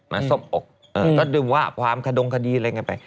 สบอกก็ดึงว่าความขดงคดีอะไรกันไป